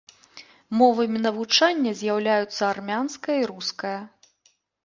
Мовамі навучання з'яўляюцца армянская і руская.